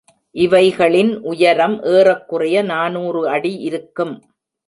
இவைகளின் உயரம் ஏறக்குறைய நாநூறு அடி இருக்கும்.